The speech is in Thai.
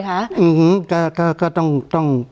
ก็ต้อง